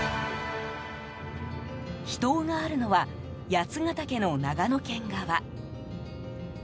秘湯があるのは八ケ岳の長野県側。